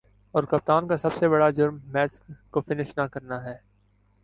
اور کپتان کا سب سے برا جرم" میچ کو فنش نہ کرنا ہے